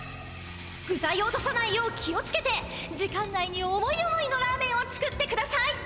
ぐざいを落とさないよう気をつけて時間内に思い思いのラーメンを作ってください。